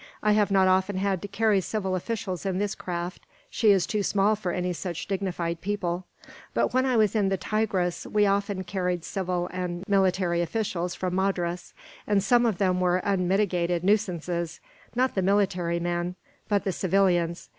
I have not often had to carry civil officials in this craft, she is too small for any such dignified people; but when I was in the Tigris, we often carried civil and military officials from Madras, and some of them were unmitigated nuisances not the military men, but the civilians.